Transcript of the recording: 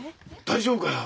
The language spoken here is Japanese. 大丈夫かよ？